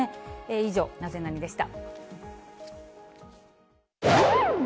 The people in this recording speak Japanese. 以上、ナゼナニっ？でした。